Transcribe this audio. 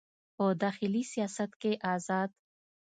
په داخلي سیاست کې ازاد